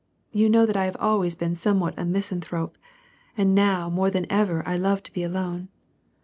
You know that I have always been somewhat of a misanthrope, and now more than ever I love to be alone.